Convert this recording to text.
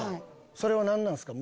それは何なんすか？